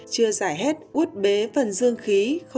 chưa giải hết út bế phần dương khí